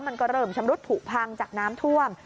มันก็เริ่มชำรุดผูกพังจากน้ำท่วม